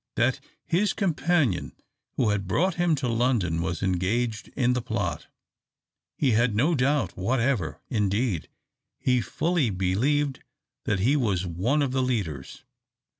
That his companion who had brought him to London was engaged in the plot, he had no doubt whatever; indeed, he fully believed that he was one of the leaders.